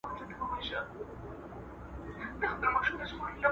خپل کسب او کار زده کړئ.